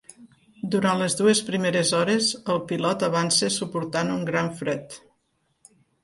Durant les dues primeres hores el pilot avança suportant un gran fred.